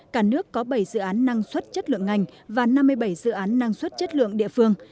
cả nước có bảy dự án năng suất chất lượng ngành và năm mươi bảy dự án năng suất chất lượng địa phương